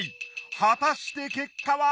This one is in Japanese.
果たして結果は！？